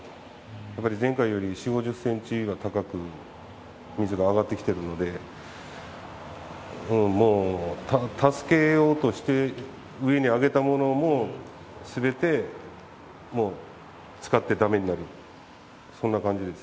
やっぱり前回より４、５０センチよりは高く水が上がってきてるので、もう助けようとして上に上げたものも、すべてもう使ってだめになる、そんな感じです。